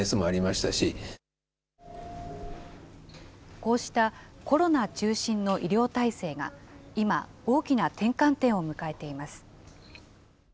こうした、コロナ中心の医療体制が今、大きな転換点を迎えています。